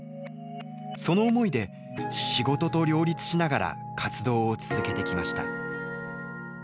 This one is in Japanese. その思いで仕事と両立しながら活動を続けてきました。